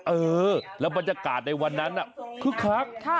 เออแล้วบรรยากาศในวันนั้นคึกคัก